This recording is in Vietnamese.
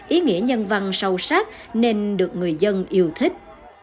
ý nghĩa nhân văn sâu sắc nên được người dân yêu thích